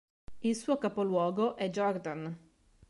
Il suo capoluogo è Jordan.